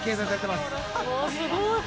すごい！